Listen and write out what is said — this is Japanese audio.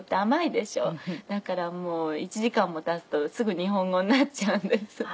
だからもう１時間も経つとすぐ日本語になっちゃうんです。